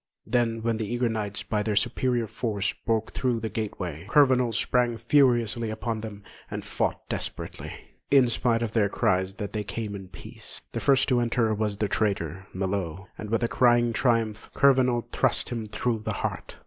Then when the eager knights, by their superior force, broke through the gateway, Kurvenal sprang furiously upon them and fought desperately, in spite of their cries that they came in peace. The first to enter was the traitor, Melot, and with a cry of triumph, Kurvenal thrust him through the heart.